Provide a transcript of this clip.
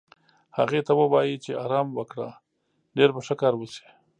هغې ته ووایې چې ارام وکړه، ډېر به ښه کار وشي.